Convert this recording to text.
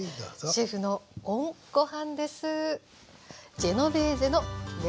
シェフのＯＮごはんです。